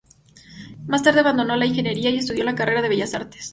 Más tarde abandonó la ingeniería y estudió la carrera de Bellas Artes.